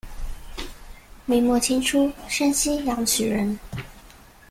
明末清初山西阳曲人。